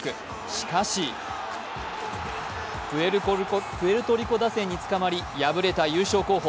しかしプエルトリコ打線につかまり、敗れた優勝候補。